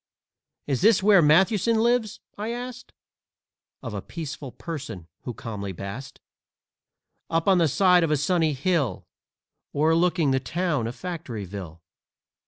"Is this where Mathewson lives?" I asked Of a peaceful person, who calmly basked Up on the side of a sunny hill O'erlooking the town of Factoryville.